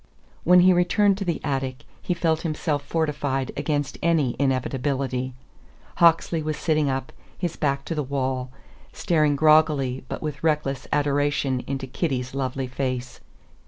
When he returned to the attic he felt himself fortified against any inevitability. Hawksley was sitting up, his back to the wall, staring groggily but with reckless adoration into Kitty's lovely face.